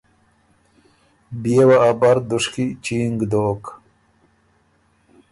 بيې وه ا بر دُشکی چینګ دوک۔